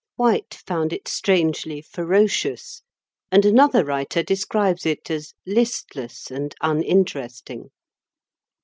White found it strangely ferocious, and another writer describes it as listless and uninteresting.